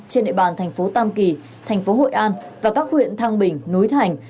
trên địa bàn thành phố tam kỳ thành phố hội an và các huyện thăng bình núi thành